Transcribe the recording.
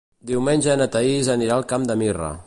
Diumenge na Thaís anirà al Camp de Mirra.